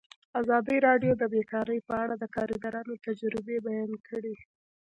ازادي راډیو د بیکاري په اړه د کارګرانو تجربې بیان کړي.